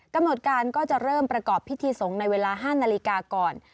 กำหนดการก็จะเริ่มประกอบพิธีสงฆ์ในเวลา๕นาฬิกาก่อน